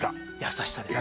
優しさです